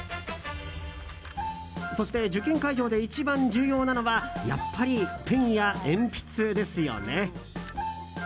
そして、受験会場で一番重要なのはやっぱりペンや鉛筆ですよね。